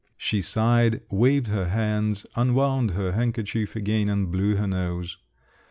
She sighed, waved her hands, unwound her handkerchief again, and blew her nose.